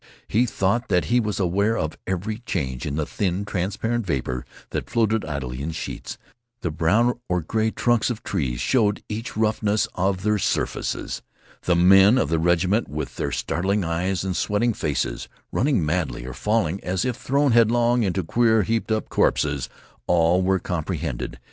He thought that he was aware of every change in the thin, transparent vapor that floated idly in sheets. The brown or gray trunks of the trees showed each roughness of their surfaces. And the men of the regiment, with their starting eyes and sweating faces, running madly, or falling, as if thrown headlong, to queer, heaped up corpses all were comprehended.